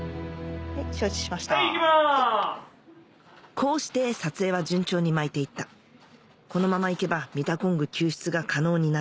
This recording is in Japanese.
こうして撮影は順調に巻いていったこのままいけばミタコング救出が可能になる